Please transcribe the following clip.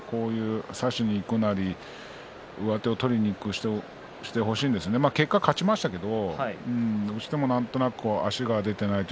差しにいくなり上手を取りにいくなりしてほしいんですが結果勝ちましたけれどもどうしても足が出ていません。